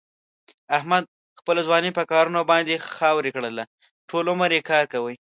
احمد خپله ځواني په کارونو باندې خاورې کړله. ټول عمر کار کوي.